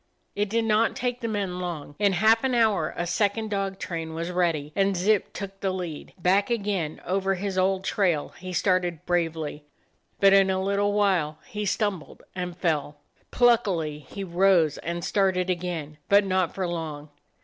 It did not take the men long. In half an hour a second dog train was ready, and Zip took the lead. Back again, over his old trail, 49 DOG HEROES OF MANY LANDS he started bravely, but in a little while he stumbled and fell. Pluckily he rose and started again, but not for long.